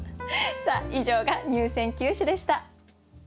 さあ以上が入選九首でした。